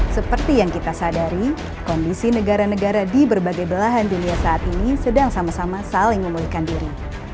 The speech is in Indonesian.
seperti yang kita sadari kondisi negara negara di berbagai belahan dunia saat ini sedang sama sama saling memulihkan diri